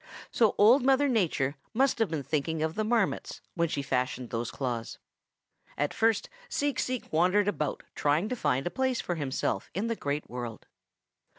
So Old Mother Nature must have been thinking of the Marmots when she fashioned those claws. "At first Seek Seek wandered about trying to find a place for himself in the Great World.